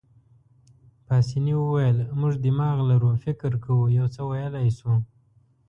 پاسیني وویل: موږ دماغ لرو، فکر کوو، یو څه ویلای شو.